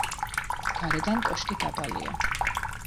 გარედან კოშკი დაბალია.